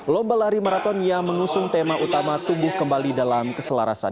lomba lari maraton yang mengusung tema utama tumbuh kembali dalam keselarasan